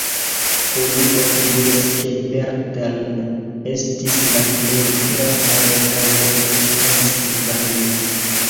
Oni opinias ke Bethlen estis la plej grava reganto de Transilvanio.